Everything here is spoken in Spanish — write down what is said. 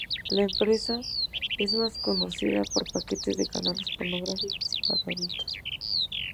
La empresa es más conocida por paquetes de canales pornográficos y para adultos.